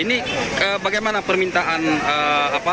ini bagaimana permintaan pasar terhadap ikan